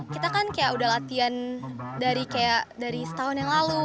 kita kan kayak udah latihan dari setahun yang lalu